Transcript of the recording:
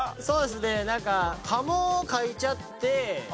そうですねなんか「カモ」を書いちゃって。